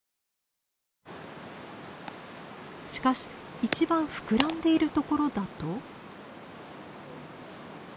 しかし一番膨らんでいるところだと。